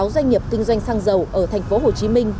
ba mươi sáu doanh nghiệp kinh doanh xăng dầu ở thành phố hồ chí minh